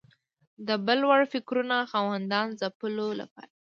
د بل وړ فکرونو خاوندانو ځپلو لپاره